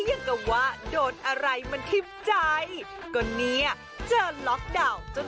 อย่างกับว่าโดนอะไรมันทิบใจก็เนี่ยเจอล็อกดาวน์จน